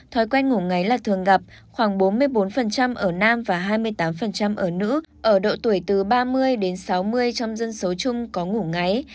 thói quen ngủ ngáy là thường gặp khoảng bốn mươi bốn ở nam và hai mươi tám ở nữ ở độ tuổi từ ba mươi đến sáu mươi trong dân số chung có ngủ ngáy